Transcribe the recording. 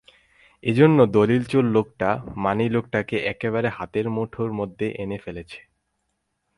এজন্যে দলিল-চোর লোকটা মানী লোকটাকে একেবারে হাতের মুঠোর মধ্যে এনে ফেলেছে।